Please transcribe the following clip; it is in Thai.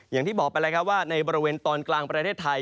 อย่างที่บอกไปแล้วครับว่าในบริเวณตอนกลางประเทศไทย